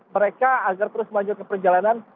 mereka agar terus lanjut ke perjalanan